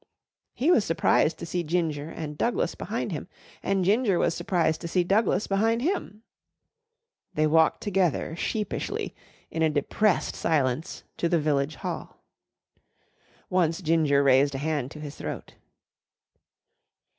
He was surprised to see Ginger and Douglas behind him and Ginger was surprised to see Douglas behind him. They walked together sheepishly in a depressed silence to the Village Hall. Once Ginger raised a hand to his throat.